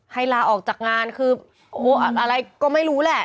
ลาออกจากงานคืออะไรก็ไม่รู้แหละ